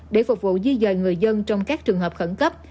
để phục vụ di dời người dân trong các trường hợp khẩn cấp